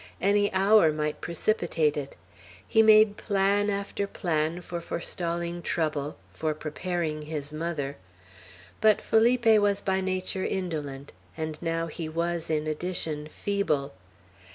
Any hour might precipitate it. He made plan after plan for forestalling trouble, for preparing his mother; but Felipe was by nature indolent, and now he was, in addition, feeble.